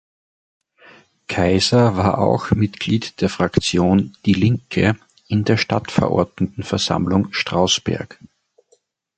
Kaiser war auch Mitglied der Fraktion Die Linke in der Stadtverordnetenversammlung Strausberg.